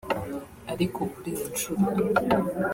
ariko kuri iyi nshuro